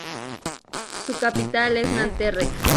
Su capital es Nanterre.